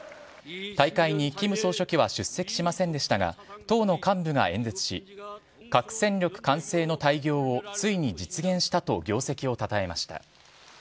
大会にキム総書記は出席しませんでしたが、党の幹部が演説し、核戦力完成の大業をついに実現したと業績をたたえました。